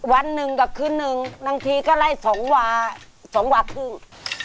วันหนึ่งก็ขึ้นหนึ่งดังทีก็ไล่สองหวาสองหวาครึ่ง